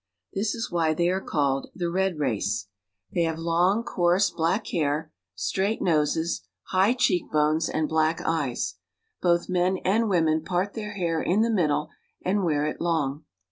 This is why they are called the red race. They have A PAPOOSE. 291 long, coarse black hair, straight noses, high cheek bones, and black eyes. Both men and women part their hair in the middle and wear it long.